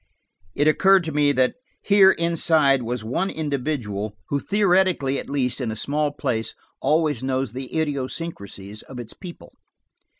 It occurred to me that here inside was the one individual who, theoretically at least, in a small place always knows the idiosyncrasies of its people.